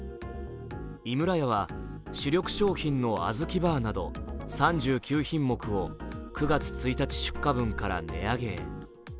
井村屋は主力商品のあずきバーなど３９品目を９月１日出荷分から値上げへ。